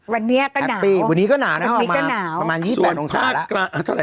วันนี้ก็หนาวประมาณ๒๘องศาละ